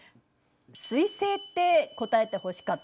彗星って答えてほしかったんだけどな。